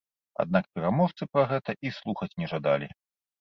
Аднак пераможцы пра гэта і слухаць не жадалі.